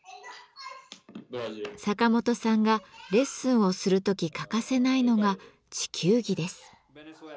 サカモトさんがレッスンをする時欠かせないのが地球儀です。